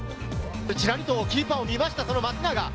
ちらりとキーパーを見ました、松永。